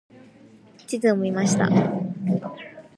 地図を見ました。